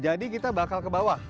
kita bakal ke bawah